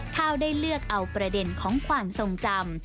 ถ้าได้เลือกเอาประเด็นของความทรงจำ